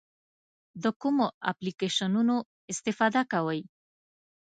د کومو اپلیکیشنونو استفاده کوئ؟